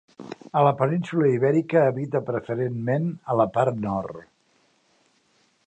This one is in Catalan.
A la península Ibèrica habita preferentment a la part nord.